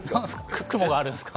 雲があるんですか？